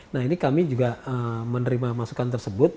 nah ini kami juga menerima masukan tersebut